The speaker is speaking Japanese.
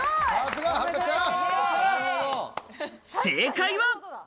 正解は。